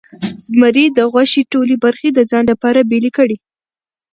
زمري د غوښې ټولې برخې د ځان لپاره بیلې کړې.